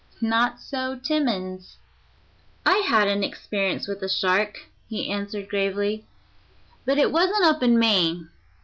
Not so Timmans. "I had an experience with a shark," he answered gravely, "but it wasn't up in Maine.